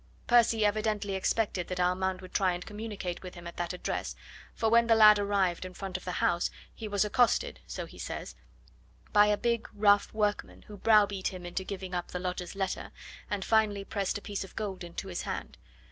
Percy evidently expected that Armand would try and communicate with him at that address, for when the lad arrived in front of the house he was accosted so he says by a big, rough workman, who browbeat him into giving up the lodger's letter, and finally pressed a piece of gold into his hand.